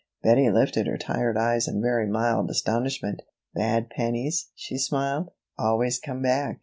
Bettie lifted her tired eyes in very mild astonishment. "Bad pennies," she smiled, "always come back.